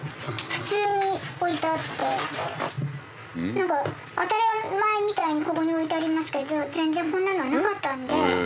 なんか当たり前みたいにここに置いてありますけど全然こんなのはなかったんで。